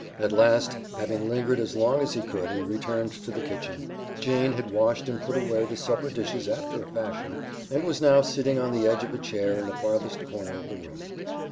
At last, having lingered as long as he could, he returned to the kitchen. Jane had washed and put away the supper dishes after a fashion, and was now sitting on the edge of a chair in the farthest corner of the room.